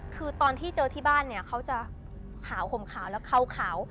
คือตอนที่เจอที่บ้านเนี่ยเขาจะขาวห่มขาวแล้วเขาขาว